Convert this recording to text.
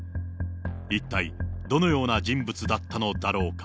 一体、どのような人物だったのだろうか。